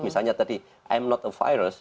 jadi saya bukan virus